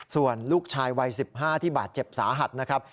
ส่วนลูกชายวัย๑๕ที่บาดเจ็บสาหัสนะครับ